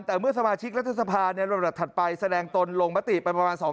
ท่านประธานเจ้าขอเปลี่ยน